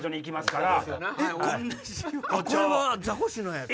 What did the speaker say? これはザコシのやつや。